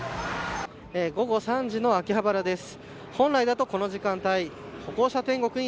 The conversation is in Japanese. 午後３時の秋葉原です。